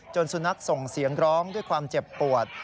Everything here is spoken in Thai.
สุนัขส่งเสียงร้องด้วยความเจ็บปวด